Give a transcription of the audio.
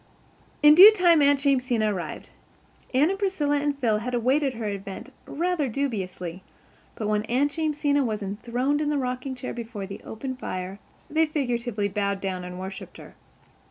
In due time Aunt Jamesina arrived. Anne and Priscilla and Phil had awaited her advent rather dubiously; but when Aunt Jamesina was enthroned in the rocking chair before the open fire they figuratively bowed down and worshipped her.